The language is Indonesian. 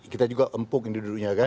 kita juga empuk ini dulunya kan